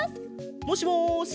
もしもし？